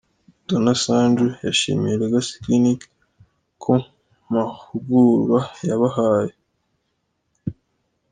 Dona Sanju, yashimiye Legacy Clinic ko mahugurwa yabahaye.